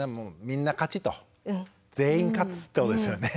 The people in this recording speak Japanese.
みんな勝ちと全員勝つってことですよね。